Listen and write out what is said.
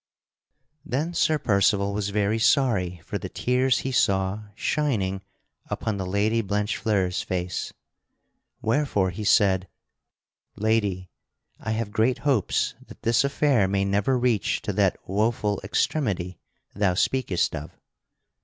Then Sir Percival was very sorry for the tears he saw shining upon the Lady Blanchefleur's face, wherefore he said: "Lady, I have great hopes that this affair may never reach to that woful extremity thou speakest of."